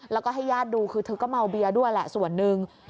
แล้วก็ให้ญาติดูคือเธอก็เมาเบียร์ด้วยแหละส่วนหนึ่ง